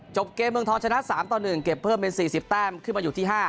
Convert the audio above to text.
จบเกมเมืองทองชนะ๓ต่อ๑เก็บเพิ่มเป็น๔๐แต้มขึ้นมาอยู่ที่๕